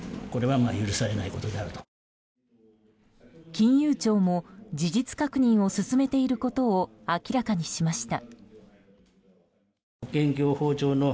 金融庁も事実確認を進めていることを明らかにしました。